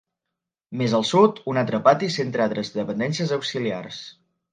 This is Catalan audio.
Més al sud, un altre pati centra altres dependències auxiliars.